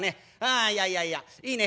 あいやいやいやいいね？